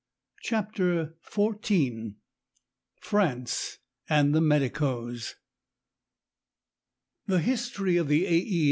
CHAPTER XIV FRANCE AND THE MEDICOES The history of the A. E.